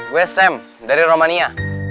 gue sam dari romania